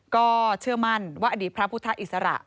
ก็เชื่อมั่นว่าอดีตพระพุทธอิสระ